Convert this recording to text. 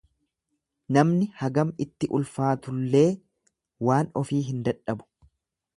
Namni hagam itti ulfaatullee waan ofii hin dadhabu.